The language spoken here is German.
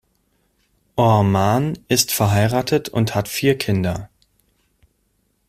Orman ist verheiratet und hat vier Kinder.